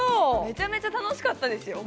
めちゃめちゃ楽しかったですよ